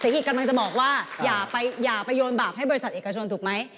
อีกกำลังจะบอกว่าอย่าไปโยนบาปให้บริษัทเอกชนถูกไหม